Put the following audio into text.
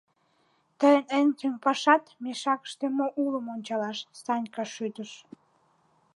— Тыйын эн тӱҥ пашат — мешакыште мо улым ончалаш, — Санька шӱдыш.